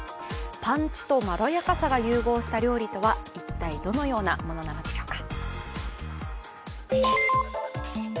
パンチとまろやかさが融合した料理は、一体どのようなものなのでしょうか。